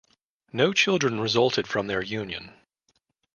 No children resulted from their union.